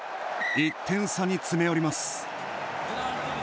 １点差に詰め寄ります。